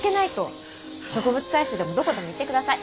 植物採集でもどこでも行ってください。